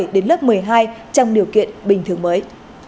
đến lớp một mươi hai trong điều kiện bình thường mới